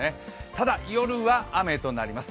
ただ、夜は雨となります。